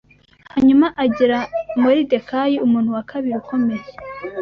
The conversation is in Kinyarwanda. Hanyuma agira Moridekayi umuntu wa kabiri ukomeye